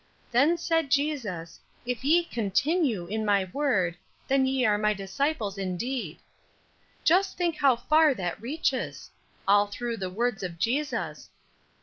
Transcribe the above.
'Then said Jesus, If ye continue in my word, then are ye my disciples indeed.' Just think how far that reaches! All through the words of Jesus.